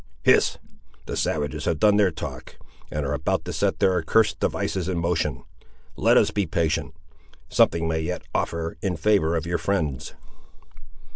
"Hist! The savages have done their talk, and are about to set their accursed devices in motion. Let us be patient; something may yet offer in favour of your friends."